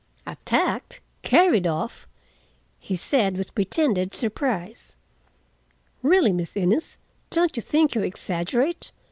"Attacked! Carried off!" he said, with pretended surprise. "Really, Miss Innes, don't you think you exaggerate?